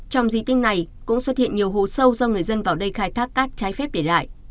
trong di tích này cũng xuất hiện nhiều hồ sâu do người dân vào đây khai thác cát trái phép để lại